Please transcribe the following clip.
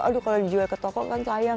aduh kalau dijual ke toko kan sayang